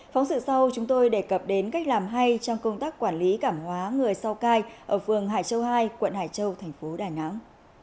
phóng sự sau chúng tôi đề cập đến cách làm hay trong công tác quản lý cảm hóa người sau cai ở phường hải châu hai quận hải châu thành phố đà nẵng